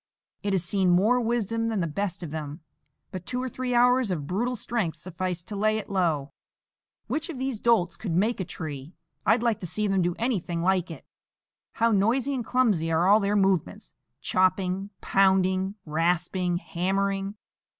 It has seen more wisdom than the best of them; but two or three hours of brutal strength sufficed to lay it low. Which of these dolts could make a tree? I'd like to see them do anything like it. How noisy and clumsy are all their movements,—chopping, pounding, rasping, hammering.